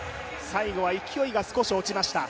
最後は勢いが少し落ちました。